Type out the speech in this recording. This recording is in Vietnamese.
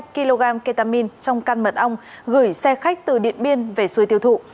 hai ketamine trong căn mật ong gửi xe khách từ điện biên về xuôi tiêu thụ